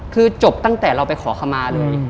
คือจบตั้งแต่เราไปขอขมาเลย